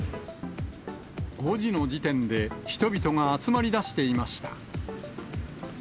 ５時の時点で、人々が集まりだしていました。